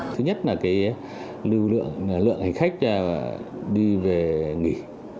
thứ nhất là lượng hành khách đi về nghỉ